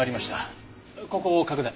ここを拡大。